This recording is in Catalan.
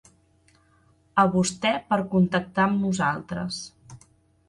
A vostè per contactar amb nosaltres.